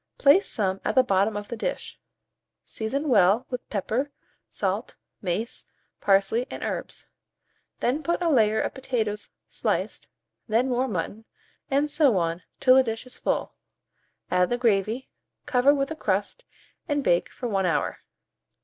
Place some at the bottom of the dish; season well with pepper, salt, mace, parsley, and herbs; then put a layer of potatoes sliced, then more mutton, and so on till the dish is full; add the gravy, cover with a crust, and bake for 1 hour.